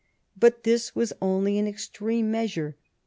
But this was only an extreme measure.